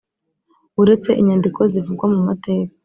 Uretse Inyandiko Zivugwa Mu Mateka